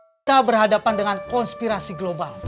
kita berhadapan dengan konspirasi global